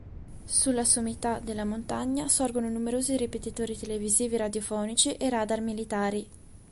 Sulla sommità della montagna sorgono numerosi ripetitori televisivi e radiofonici e radar militari.